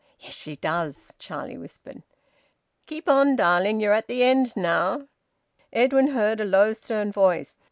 "Yes, she does," Charlie whispered. "Keep on, darling. You're at the end now." Edwin heard a low, stern voice.